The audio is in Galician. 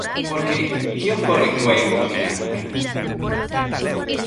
Porque, ¿que ocorre coa hemodinámica?